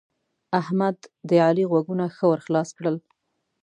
احمد؛ د علي غوږونه ښه ور خلاص کړل.